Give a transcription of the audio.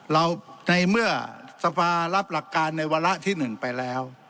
ในเมื่อสภารับหลักการในวาระที่๑ไปแล้ว